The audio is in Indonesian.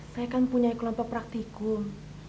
saya kan punya iklan pepraktikum